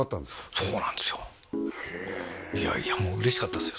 そうなんですよいやいやもう嬉しかったですよ